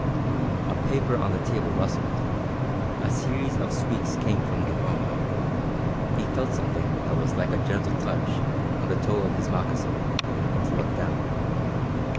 A paper on the table rustled, a series of squeaks came from the bunk, he felt something that was like a gentle touch on the toe of his moccasin, and looked down.